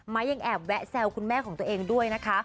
ยังแอบแวะแซวคุณแม่ของตัวเองด้วยนะคะ